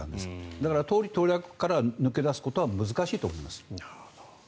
だから党利党略から抜け出すことは難しいと思うんです。